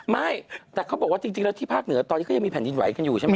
ไม่แต่เขาบอกว่าจริงแล้วที่ภาคเหนือตอนนี้ก็ยังมีแผ่นดินไหวกันอยู่ใช่ไหม